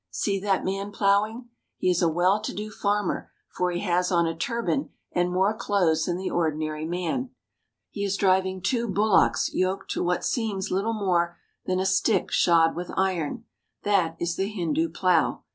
See that man plowing ! He is a well to do farmer, for he has on a turban and more clothes than the ordinary man. He is driving two bullocks yoked to what seems little more than a stick shod with iron. That is the Hindu plow.